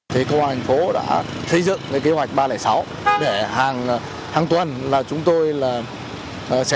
công an tp vịnh yên đã xây dựng kế hoạch ba trăm linh sáu để hàng tuần chúng tôi sẽ